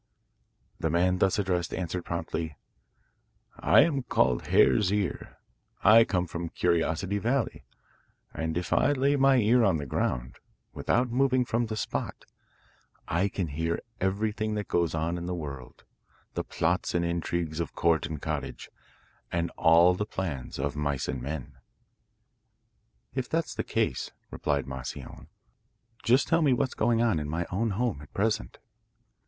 The man thus addressed answered promptly, 'I am called Hare's ear, I come from Curiosity Valley, and if I lay my ear on the ground, without moving from the spot, I can hear everything that goes on in the world, the plots and intrigues of court and cottage, and all the plans of mice and men.' 'If that's the case,' replied Moscione, 'just tell me what's going on in my own home at present.